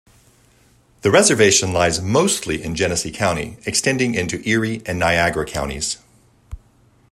The reservation lies mostly in Genesee County, extending into Erie and Niagara counties.